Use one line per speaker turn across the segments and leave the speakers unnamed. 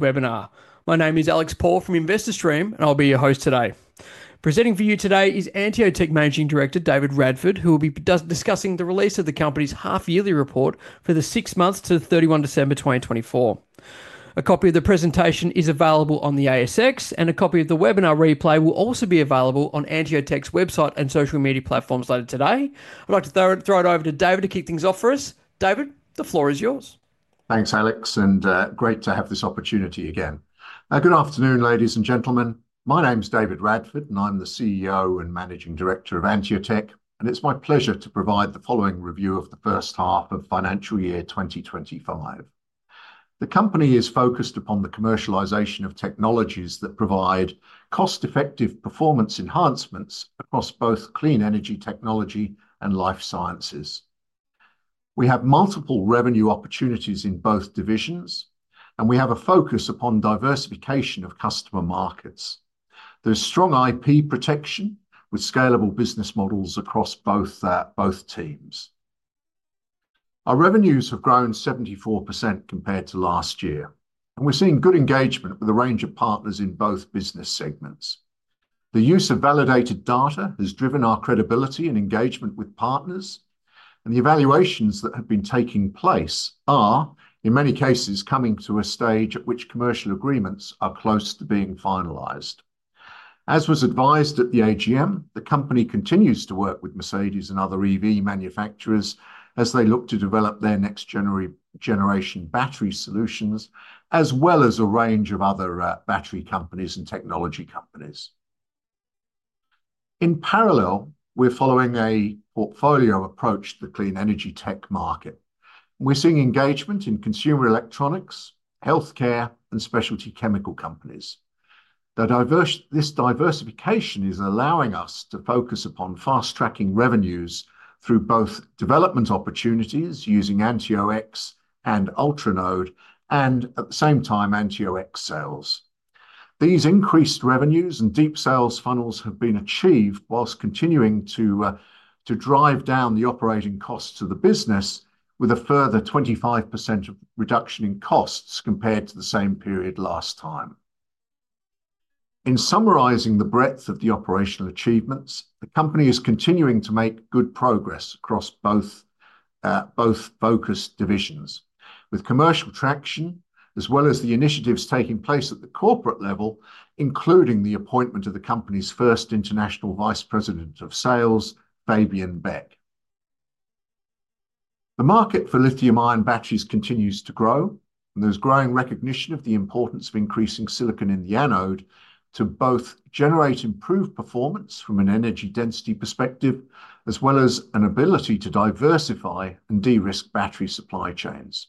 Webinar. My name is Alex Paul from InvestorStream, and I'll be your host today. Presenting for you today is AnteoTech Managing Director David Radford, who will be discussing the release of the company's half-yearly report for the six months to 31 December 2024. A copy of the presentation is available on the ASX, and a copy of the webinar replay will also be available on AnteoTech's website and social media platforms later today. I'd like to throw it over to David to kick things off for us. David, the floor is yours.
Thanks, Alex, and great to have this opportunity again. Good afternoon, ladies and gentlemen. My name is David Radford, and I'm the CEO and Managing Director of AnteoTech, and it's my pleasure to provide the following review of the first half of financial year 2025. The company is focused upon the commercialization of technologies that provide cost-effective performance enhancements across both clean energy technology and life sciences. We have multiple revenue opportunities in both divisions, and we have a focus upon diversification of customer markets. There's strong IP protection with scalable business models across both teams. Our revenues have grown 74% compared to last year, and we're seeing good engagement with a range of partners in both business segments. The use of validated data has driven our credibility and engagement with partners, and the evaluations that have been taking place are, in many cases, coming to a stage at which commercial agreements are close to being finalized. As was advised at the AGM, the company continues to work with Mercedes and other EV manufacturers as they look to develop their next-generation battery solutions, as well as a range of other battery companies and technology companies. In parallel, we're following a portfolio approach to the clean energy tech market. We're seeing engagement in consumer electronics, healthcare, and specialty chemical companies. This diversification is allowing us to focus upon fast-tracking revenues through both development opportunities using AnteoX and UltraNode, and at the same time, AnteoX sales. These increased revenues and deep sales funnels have been achieved whilst continuing to drive down the operating costs of the business with a further 25% reduction in costs compared to the same period last time. In summarizing the breadth of the operational achievements, the company is continuing to make good progress across both focused divisions, with commercial traction, as well as the initiatives taking place at the corporate level, including the appointment of the company's first International Vice President of Sales, Fabian Beck. The market for lithium-ion batteries continues to grow, and there's growing recognition of the importance of increasing silicon in the anode to both generate improved performance from an energy density perspective, as well as an ability to diversify and de-risk battery supply chains.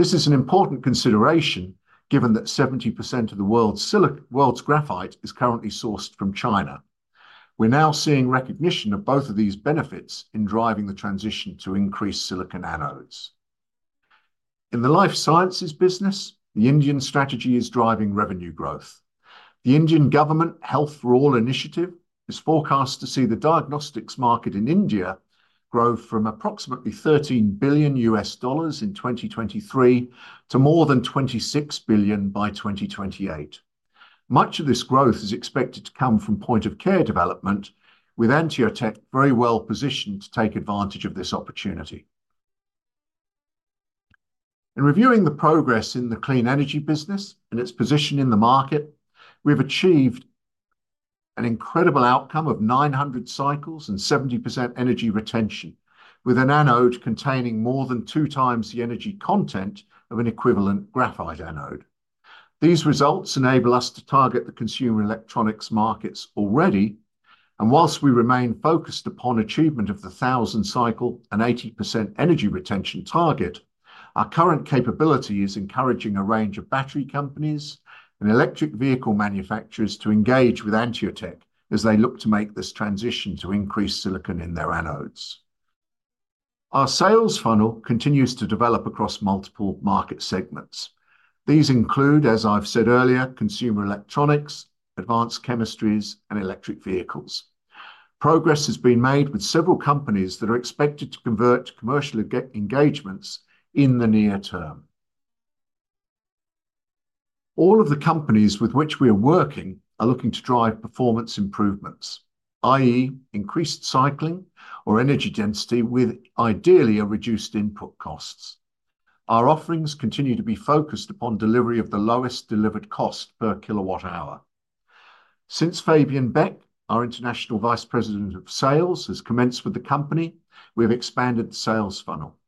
This is an important consideration given that 70% of the world's graphite is currently sourced from China. We're now seeing recognition of both of these benefits in driving the transition to increased silicon anodes. In the life sciences business, the Indian strategy is driving revenue growth. The Indian government Health for All initiative is forecast to see the diagnostics market in India grow from approximately $13 billion in 2023 to more than $26 billion by 2028. Much of this growth is expected to come from point-of-care development, with AnteoTech very well positioned to take advantage of this opportunity. In reviewing the progress in the clean energy business and its position in the market, we've achieved an incredible outcome of 900 cycles and 70% energy retention, with an anode containing more than two times the energy content of an equivalent graphite anode. These results enable us to target the consumer electronics markets already, and whilst we remain focused upon achievement of the 1,000-cycle and 80% energy retention target, our current capability is encouraging a range of battery companies and electric vehicle manufacturers to engage with AnteoTech as they look to make this transition to increase silicon in their anodes. Our sales funnel continues to develop across multiple market segments. These include, as I've said earlier, consumer electronics, advanced chemistries, and electric vehicles. Progress has been made with several companies that are expected to convert to commercial engagements in the near term. All of the companies with which we are working are looking to drive performance improvements, i.e., increased cycling or energy density with ideally reduced input costs. Our offerings continue to be focused upon delivery of the lowest delivered cost per kilowatt hour. Since Fabian Beck, our International Vice President of Sales, has commenced with the company, we have expanded the sales funnel.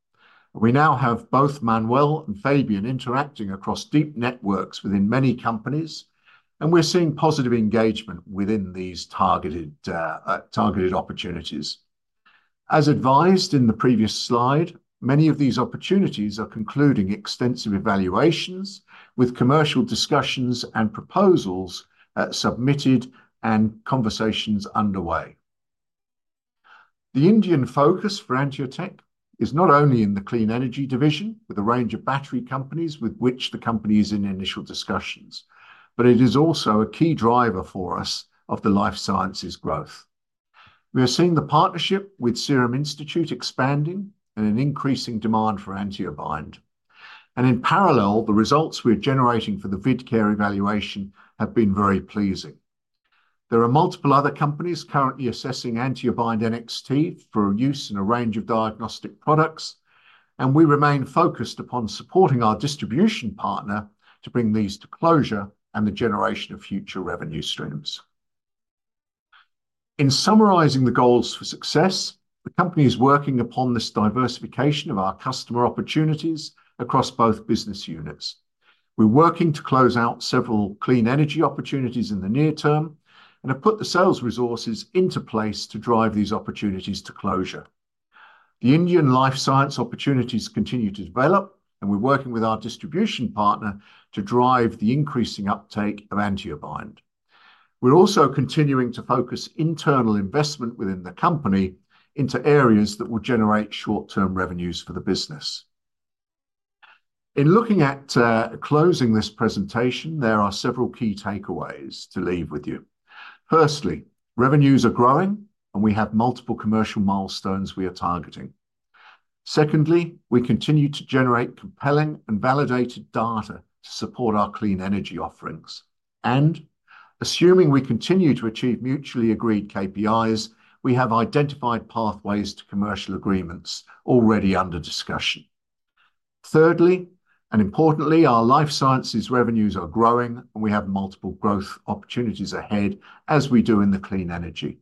We now have both Manuel and Fabian interacting across deep networks within many companies, and we're seeing positive engagement within these targeted opportunities. As advised in the previous slide, many of these opportunities are concluding extensive evaluations with commercial discussions and proposals submitted and conversations underway. The Indian focus for AnteoTech is not only in the clean energy division with a range of battery companies with which the company is in initial discussions, but it is also a key driver for us of the life sciences growth. We are seeing the partnership with Serum Institute expanding and an increasing demand for AnteoBind. In parallel, the results we are generating for the Vidcare evaluation have been very pleasing. There are multiple other companies currently assessing AnteoBind NXT for use in a range of diagnostic products, and we remain focused upon supporting our distribution partner to bring these to closure and the generation of future revenue streams. In summarizing the goals for success, the company is working upon this diversification of our customer opportunities across both business units. We're working to close out several clean energy opportunities in the near term and have put the sales resources into place to drive these opportunities to closure. The Indian life science opportunities continue to develop, and we're working with our distribution partner to drive the increasing uptake of AnteoBind. We're also continuing to focus internal investment within the company into areas that will generate short-term revenues for the business. In looking at closing this presentation, there are several key takeaways to leave with you. Firstly, revenues are growing, and we have multiple commercial milestones we are targeting. Secondly, we continue to generate compelling and validated data to support our clean energy offerings. Assuming we continue to achieve mutually agreed KPIs, we have identified pathways to commercial agreements already under discussion. Thirdly, and importantly, our life sciences revenues are growing, and we have multiple growth opportunities ahead as we do in the clean energy.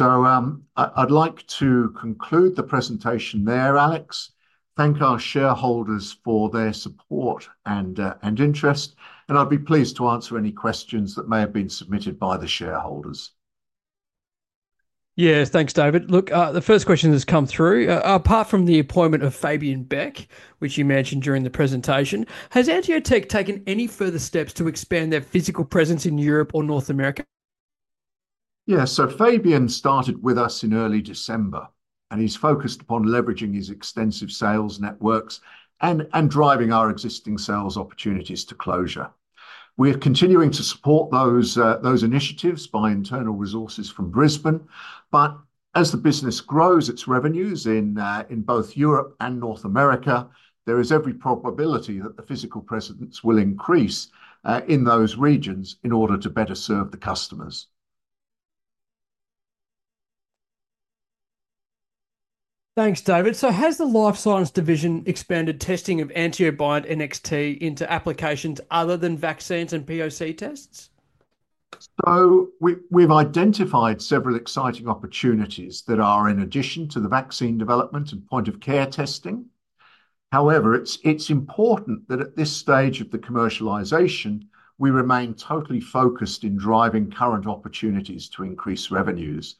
I would like to conclude the presentation there, Alex. Thank our shareholders for their support and interest, and I would be pleased to answer any questions that may have been submitted by the shareholders.
Yes, thanks, David. Look, the first question that's come through, apart from the appointment of Fabian Beck, which you mentioned during the presentation, has AnteoTech taken any further steps to expand their physical presence in Europe or North America?
Yes, so Fabian started with us in early December, and he's focused upon leveraging his extensive sales networks and driving our existing sales opportunities to closure. We are continuing to support those initiatives by internal resources from Brisbane, but as the business grows its revenues in both Europe and North America, there is every probability that the physical presence will increase in those regions in order to better serve the customers.
Thanks, David. Has the life science division expanded testing of AnteoBind NXT into applications other than vaccines and POC tests?
We've identified several exciting opportunities that are in addition to the vaccine development and point-of-care testing. However, it's important that at this stage of the commercialization, we remain totally focused in driving current opportunities to increase revenues.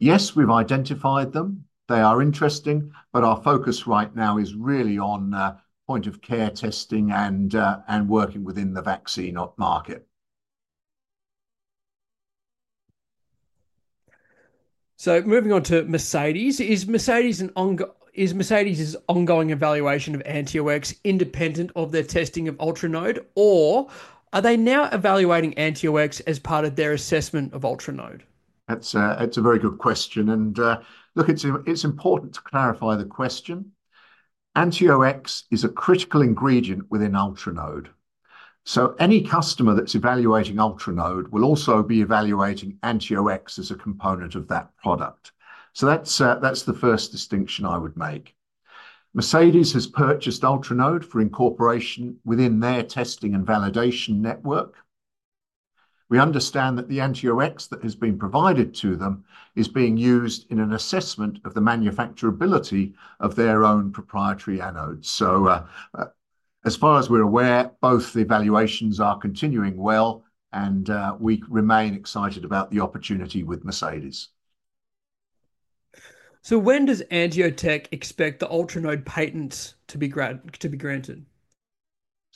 Yes, we've identified them. They are interesting, but our focus right now is really on point-of-care testing and working within the vaccine market.
Moving on to Mercedes, is Mercedes's ongoing evaluation of AnteoX independent of their testing of UltraNode, or are they now evaluating AnteoX as part of their assessment of UltraNode?
That's a very good question. Look, it's important to clarify the question. AnteoX is a critical ingredient within UltraNode. Any customer that's evaluating UltraNode will also be evaluating AnteoX as a component of that product. That's the first distinction I would make. Mercedes has purchased UltraNode for incorporation within their testing and validation network. We understand that the AnteoX that has been provided to them is being used in an assessment of the manufacturability of their own proprietary anodes. As far as we're aware, both the evaluations are continuing well, and we remain excited about the opportunity with Mercedes.
When does AnteoTech expect the UltraNode patent to be granted?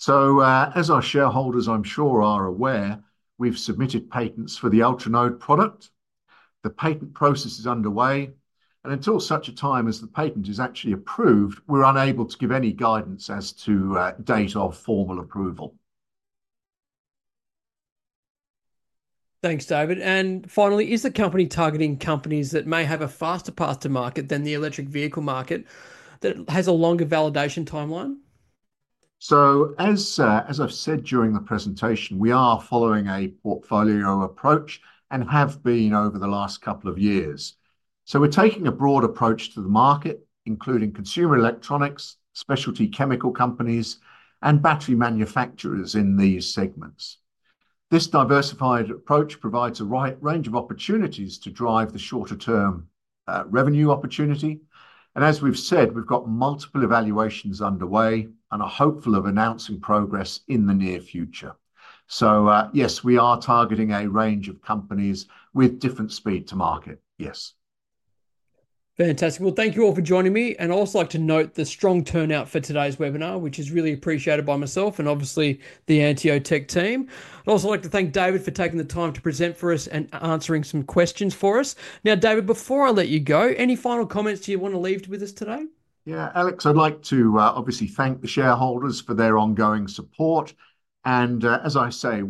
As our shareholders, I'm sure, are aware, we've submitted patents for the UltraNode product. The patent process is underway, and until such a time as the patent is actually approved, we're unable to give any guidance as to date of formal approval.
Thanks, David. Finally, is the company targeting companies that may have a faster path to market than the electric vehicle market that has a longer validation timeline?
As I have said during the presentation, we are following a portfolio approach and have been over the last couple of years. We are taking a broad approach to the market, including consumer electronics, specialty chemical companies, and battery manufacturers in these segments. This diversified approach provides a range of opportunities to drive the shorter-term revenue opportunity. As we have said, we have multiple evaluations underway and are hopeful of announcing progress in the near future. Yes, we are targeting a range of companies with different speed to market. Yes.
Fantastic. Thank you all for joining me. I would also like to note the strong turnout for today's webinar, which is really appreciated by myself and obviously the AnteoTech team. I would also like to thank David for taking the time to present for us and answering some questions for us. Now, David, before I let you go, any final comments you want to leave with us today?
Yeah, Alex, I'd like to obviously thank the shareholders for their ongoing support. As I say,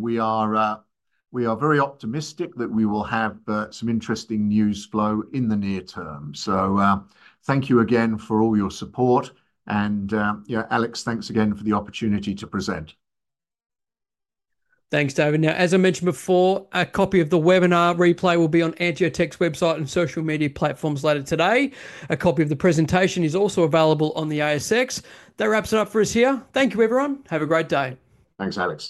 we are very optimistic that we will have some interesting news flow in the near term. Thank you again for all your support. Alex, thanks again for the opportunity to present.
Thanks, David. Now, as I mentioned before, a copy of the webinar replay will be on AnteoTech's website and social media platforms later today. A copy of the presentation is also available on the ASX. That wraps it up for us here. Thank you, everyone. Have a great day.
Thanks, Alex.